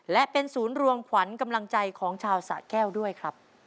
และเป็นศูนย์รวมขวัญกำลังใจของชาวสะแก้วด้วยครับ